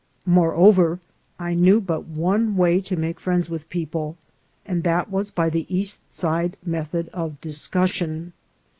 Moreover, I knew but one way to make friends with people, and that was by the East Side method of discussion.